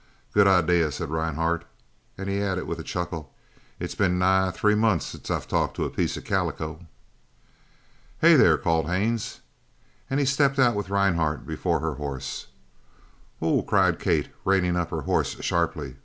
"Good idea," said Rhinehart, and he added with a chuckle, "it's been nigh three months since I've talked to a piece of calico." "Hey, there!" called Haines, and he stepped out with Rhinehart before her horse. "Oh!" cried Kate, reining up her horse sharply.